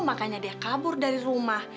makanya dia kabur dari rumah